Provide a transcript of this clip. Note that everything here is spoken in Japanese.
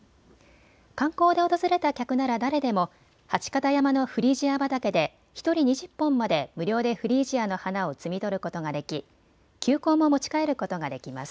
観光で訪れた客なら誰でも八形山のフリージア畑で１人２０本まで無料でフリージアの花を摘み取ることができ球根も持ち帰ることができます。